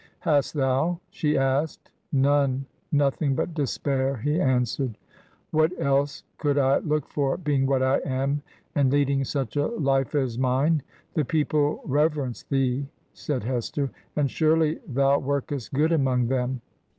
'Hast thou?* she asked ' None !— nothing but despair V he answered. ' What else Could I look for, being what I am, and lead ing duch a life as mine?' ... 'The people rever ence thee/ said Hester* 'And surely thou workest good among them.